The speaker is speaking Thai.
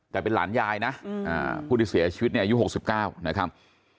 แต่เป็นหลานยายนะผู้ที่เสียชีวิตเนี่ยอายุ๖๙นะครับ